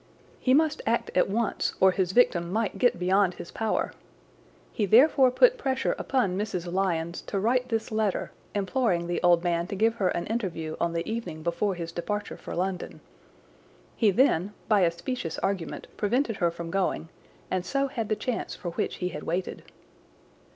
He must act at once, or his victim might get beyond his power. He therefore put pressure upon Mrs. Lyons to write this letter, imploring the old man to give her an interview on the evening before his departure for London. He then, by a specious argument, prevented her from going, and so had the chance for which he had waited.